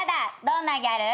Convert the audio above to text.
どんなギャル？